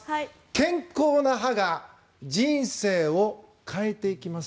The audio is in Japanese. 健康な歯が人生を変えていきます